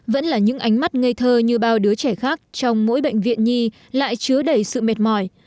vẫn là những ánh mắt ngây thơ như bao đứa trẻ khác trong mỗi bệnh viện nhi lại chứa đầy sự mệt mỏi